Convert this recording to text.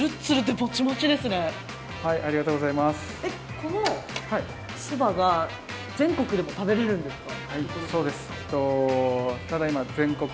このそばが、全国でも食べれるんですか？